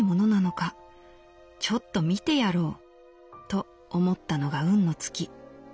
ちょっと見てやろう』と思ったのが運の尽き。